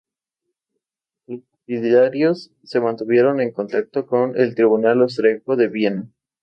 Los partidarios se mantuvieron en contacto con el tribunal austríaco de Viena.